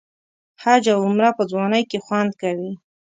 حج او عمره په ځوانۍ کې خوند کوي.